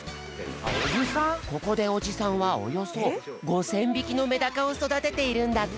ここでおじさんはおよそ５，０００びきのメダカをそだてているんだって。